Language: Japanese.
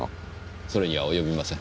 それには及びません。